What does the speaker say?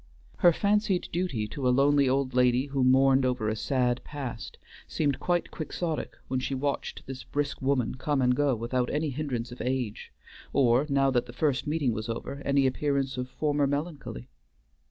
Her fancied duty to a lonely old lady who mourned over a sad past seemed quite quixotic when she watched this brisk woman come and go without any hindrance of age, or, now that the first meeting was over, any appearance of former melancholy.